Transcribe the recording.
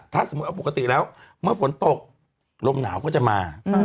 ถ้าสมมุติเอาปกติแล้วเมื่อฝนตกลมหนาวก็จะมา